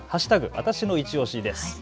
わたしのいちオシです。